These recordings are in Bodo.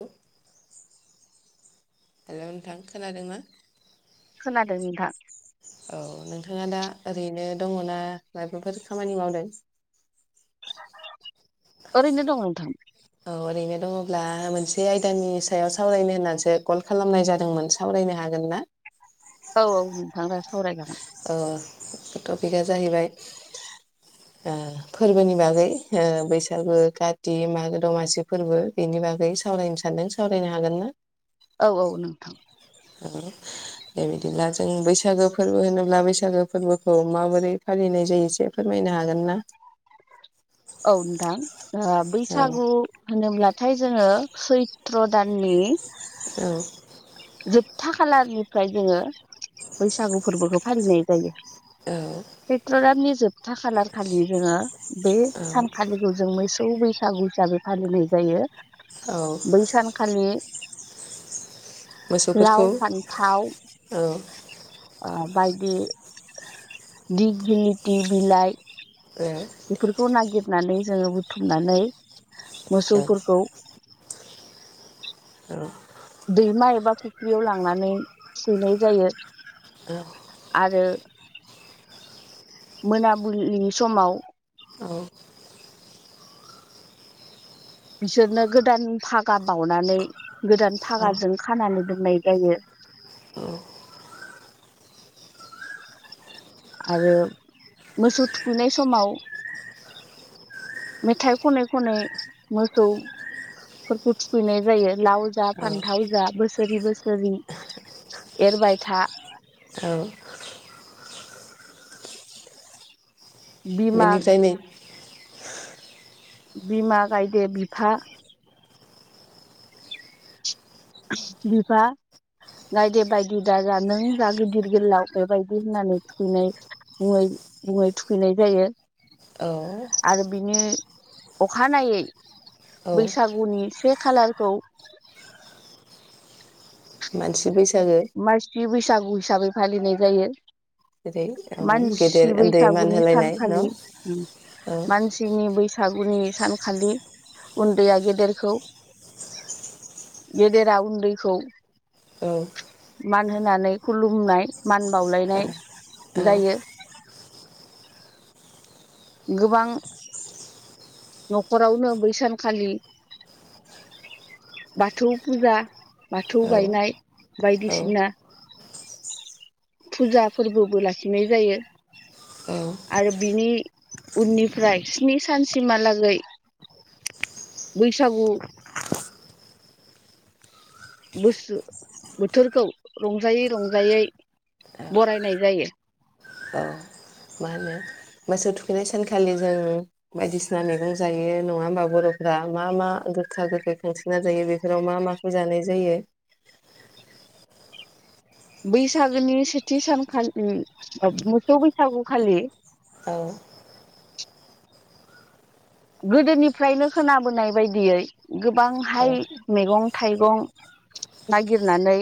औ हेल' नोंथां खोनादोंना? आरो बि दा औ नोंथाङा दा ओरैनो दङना माबाफोर खामानि मावदों। [inaudible] अरैनो दङ नोंथां। अब्ला मोनसे आयदानि सायाव सावरायनो होननानैसो कल खालामनाय जादोंमोन सावरायनो हागोन ना? औ औ नोंथां सावरायजागोन। ओह बे टपिकआ जाहैबाय । फोरबोनि बागै बैसागु कति मागो दमासि फोरबो बि नि बागै सावरायनो सानदों सावरायनो हागोन ना? औ औ नोंथां। आरो बिदिब्ला जों बैसागो फोरबो होनोब्ला बैसागो फोरबोखौ माबोरै फालिनाय जायो एसे फोरमाय फैनो हागोन ना? औ नोंथां औ बैसागु होनोब्ला। नाथाय जोङो सैत्र दाननि औ। जोबथा खालारनिफ्राय जोङो बैसागु फोरबोखौ फालिनाय जायो। औ पेट्र दाम खालार खालि जोङो बे सानखालिखौ जों मैसो मोसौ बैसागु हिसाबै फालिनाय जायो औ बै सानखालि मोसौफोरखौ लाव फान्थाव औ बायदि दिगिनिथि बिलाइ। औ बेफोरखौ नागिरनानै जोङो बुथुमनानै मोसौफोरखौ आरो दैमा एबा फुख्रियाव लांनानै सुनाय जायो। औ आरो मोनाबिलिनि समाव औ बिसोरनो गोदान भागा बावनानै गोदान फागाजों खानानै दोननाय जायो। औ आरो मोसौ थुखैनाय समाव मेथाइ खनै खनै मोसौ फोरखौ थुखैनाय जायो लाव जा फान्थाव जा बोसोरि बोसोरि। एरबाय था ओ। बिमा बेनिफ्रायनो बिमा गायदो बिफा बिफा गायदे बायदि दा जा नों जा गिदिर गोलाव बेबायदि होननानै थुखैनाय मुङै। मुङै थुखैनाय जायो। औ आरो बिनि अखानायै औ बैसागुनि से खालारखौ [inaudible] मानसि बै माइसि बैसागु हिसाबै फालिनाय जायो। जेरै औ गेदेर मानसि उन्दै मान बैसागुनि होलायनाय न' औ सानखालि औ मानसिनि बैसा सागुनि सानखालि उन्दैया गेदेरखौ गेदेरा उन्दैखौ। औ मान होनानै खुलुमनाय मान बावलायनाय जायो। [inaudible] गोबां। न'खरावनो बैसानखालि [inaudible] बाथौ फुजा बाथौ औ गायनाय औ बायदिसिना फुजा फोरबोबो लाखिनाय जायो। औ आरो बिनि उननिफ्राय स्नि सान सिमहालागै बैसागु बसु बोथोरखौ रंजायै रंजायै बरायनाय जायो। मा होनो मोसौ थुखैनाय सानखालि जों बायदिसिना मैगं जायो नङा होमबा बर'फोरा मा मा? गोखा गोखै खांसना जायो बेफोराव मा माखौ जानाय जायो? बैसागोनि सेथि सानखालि मोसौ बैसागुखालि औ। गोदोनिफ्रायनो खोनाबोनाय बायदियै औ गोबांहाय मैगं थाइगं नागिरनानै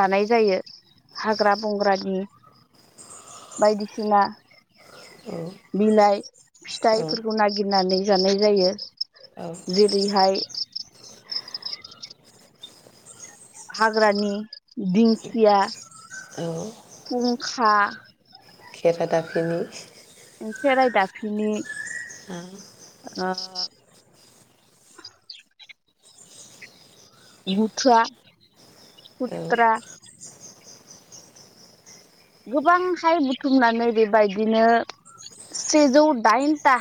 जानाय जायो हाग्रा बंग्रानि बायदिसिना बिलाइ औ फिथाइफोरखौ नागिरनानै जानाय जायो औ जेरैहाय हाग्रानि दिंखिया औ खुंखा। खेरादाफिनि सेराय दाफिनि। औ। आ बुथुवा औ खुथ्रा। गोबांहाय बुथुमनानै बेबायदिनो। से जौ डाइनटा।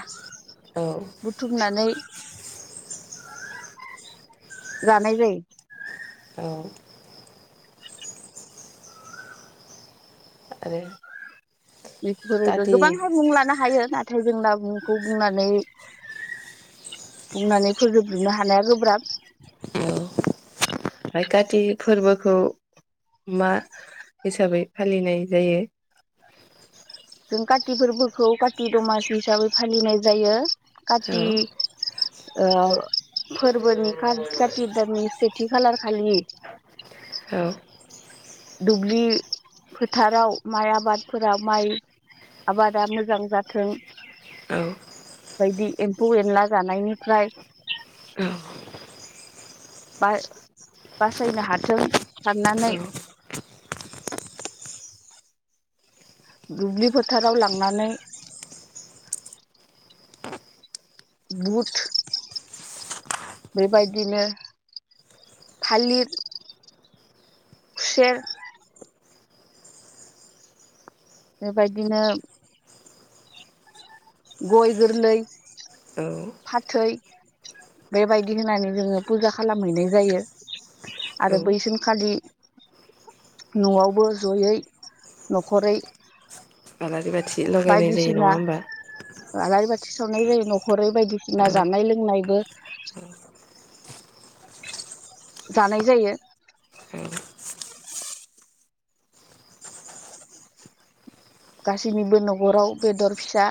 औ बुथुमनानै जानाय जायो। औ आरो बेफोरो काति गोबांहाय मुं लानो हायो नाथाय जोंना मुंखौ बुंनानै। बुंनानै फोजोबजोबनो हानाया गोब्राब। फाय काथि फोरबोखौ मा हिसाबै फालिनाय जायो? जों काति फोरबोखौ काति दमासि हिसाबै फालिनाय जायो औ काति ओ फोरबोनि खा काथि दाननि सेथि खालार खालि औ दुब्लि फोथाराव माइ आबादफोराव माइ आबादा मोजां जाथों औ बायदि एम्फौ एनला जानायनिफ्राय बा बासायनो हाथों साननानै औ [inaudible] दुब्लि फोथाराव लांनानै बुथ बेबायदिनो थालिर खुसेर बेबायदिनो गय गोरलै औ फाथै बेबायदि होनानै जोङो फुजा खालामहैनाय जायो आरो औ बै सानखालि न'आवबो जयै नखरै आलारि बाथि लगायनाय जायो बायदिसिना नङा होमबा आलारि बाथि सावनाय जायो नखरै औ बायदिसिना जानाय लोंनायबो जानाय जायो औ गासैनिबो न'खराव बेदर फिसा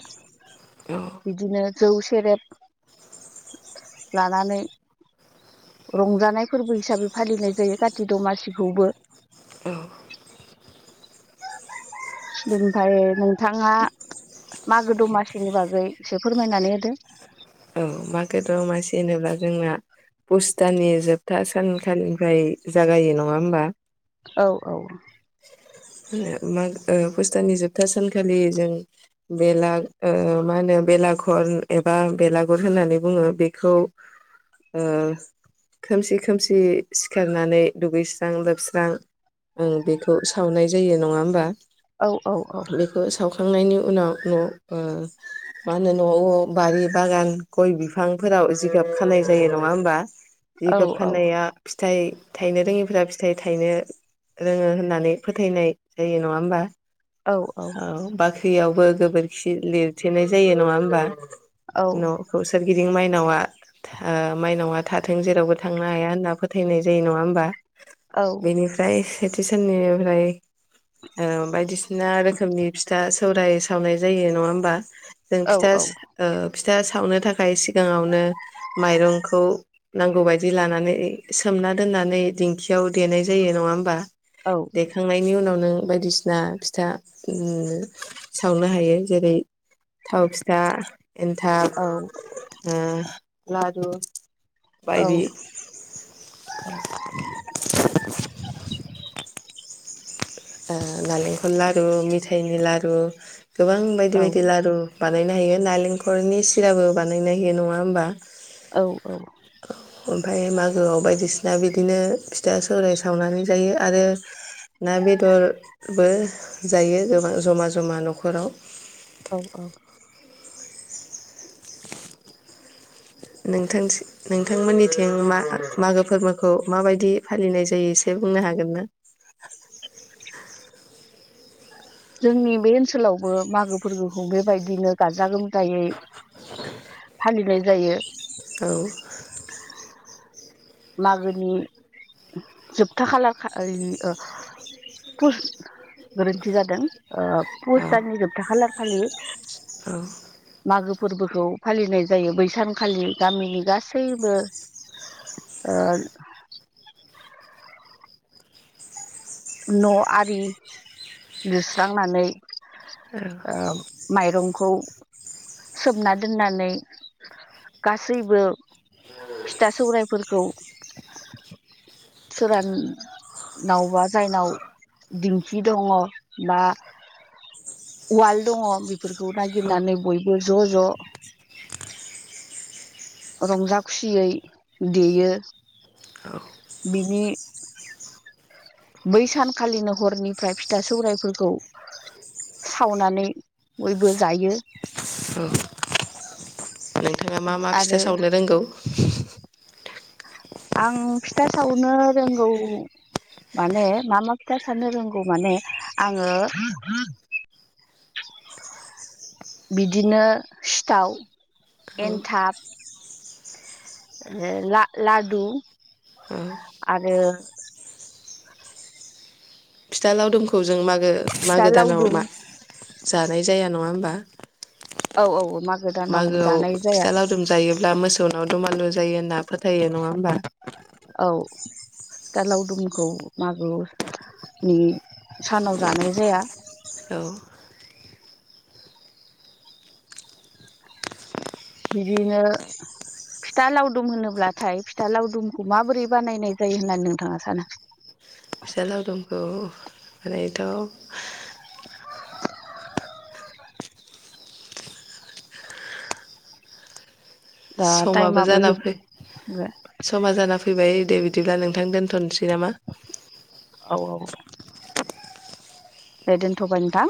औ बिदिनो जौ सेरेब लानानै रंजानाय फोरबो हिसाबै फालिनाय जायो काति दमासिखौबो औ बेनिफ्राय नोंथाङा मागो दमासिनि बागै एसे फोरमायनानै होदो औ मागो द'मासि होनोब्ला जोंना पुष दाननि जोबथा सानखालिनिफ्राय जागायो नङा होमबा औ औ ओ मा पुष दाननि जोबथा सानखालि जों बेला ओ मा होनो बेलागुर एबा बेलागुर होननानै बुङो बेखौ ओ खोमसि खोमसि सिखारनानै दुगैस्रां लोबस्रां ओ बेखौ सावनाय जायो नङा होमबा औ औ औ खांनायनि उनाव न ओ मा होनो न'आव बारि बागान गय बिफांफोराव जिगाब खानाय जायो नङा होमबा औ जिगाब खानाया फिथाइ थायनो रोङिफोरा फिथाइ थायनो रोंङो होननानै फोथायनाय जायो नङा होमबा औ बाख्रियाव बो गोबोरखि लिरथेनाय जायो नङा होमबा औ न'खौ सोरगिदिं माइनावा ओ माइनावा थाथों जेरावबो थांनो हाया होनना फोथायनाय जायो नङा होमबा औ बेनिफ्राय सेथि साननिफ्राय ओ बायदि ना रोखोमनि फिथा सौराय सावनाय जायो नङा होमबा जों औ फिथा ओ फिथा सावनो थाखाय सिगाङावनो माइरंखौ नांगौबायदि लानानै सोम सोमना दोननानै दिंखियाव देनाय जायो नङा होमबा औ देखांनायनि उनाव नों बायदि सिना फिथा सावनो हायो जेरै थाव फिथा एन्थाब ओ लादु औ औ [unintelligible] ओ नालेंखल लारु मिथाइनि लारु गोबां बायदि बायदि लारु बानायनो हायो नारेंखलनि सिराबो बानायनो हायो नङा होमबा औ ओमफ्राय मागोआव बायदिसिना बिदिनो फिथा सौराइ सावनानै जायो आरो। ना बेदरबो जायो गोबां जमा जमा न'खराव औ औ नोंथां नोंथांमोननिथिं मा मागो फोरबोखौ माबायदि फालिनाय जायो एसे। बुंनो हागोन ना जोंनि बे ओनसोलावबो मागो फोरबोखौ बेबायदिनो गाजा गोमजा। दायै फालिनाय जायो औ। मागोनि जोबथा खालार खालि ओ। गोरोन्थि जादों। ओ पुस औ दाननि जोबथा खालारखालि मागो फोरबोखौ फालिनाय जायो बैसानखालि गामिनि गासैबो। आरो न' आरि लिरस्रांनानै। औ ओ माइरं। खौ सोमना दोननानै गासैबो फिथा सौराइफोरखौ सोरान नावबा जायनाव दिंखि दंङ बा उवाल दंङ फोरखौ नायगिरनानै बयबो ज' ज' रंजा खुसियै देयो औ। बिनि बै सानखालिनो हरनिफ्राय फिथा सौराइफोरखौ सावनानै बयबो जायो औ। नोंथाङा मा मा फिथा आरो सावनो रोंगौ आं फिथा सावनो रोंगौ माने मा मा खोथा साननो रोंगौ माने आङो [inaudible] बिदिनो सिथाव औ एन्थाब माहोनो ला- लादु औ आरो। फिथा लावदुमखौ जों मागो फिथा मागो दानाव लावदुम जानाय जाया नङा होम्बा औ औ मागो दानाव मागोआव जानाय जाया फिथा लावदुम जायोब्ला मोसौनाव दुमालु जायो होनना फोथायो नङा होमबा औ फिथा लावदुमखौ मागोनि सानाव जानाय जाया औ। बिदिनो फिथा लावदुम होनोब्लाथाय फिथा लावदुमखौ माबोरै बानायनाय जायो होननानै नोंथाङा सानो। फिथा लावदुमखौ ओरैनोथ'। [inaudible] दा समाबो टाइमाबो जाना जोब फै समा जाना फै फैबाय दे बिदिब्ला नोंथां दोन्थनोसै नामा। औ औ दे दोनथबाय नोंथां।